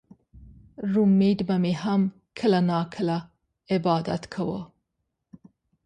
رومېټ به مې هم کله نا کله عبادت کوو